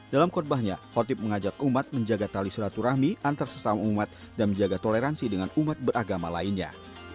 dalam kotbahnya khatib mengajak umat menjaga tali suratu rahmi antar sesama umat dan menjaga toleransi dengan umat beragama lainnya